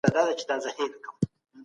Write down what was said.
وخت ضایع مه کوئ.